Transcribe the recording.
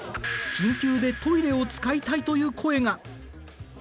緊急でトイレを使いたいという声が。